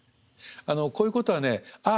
こういうことはねああ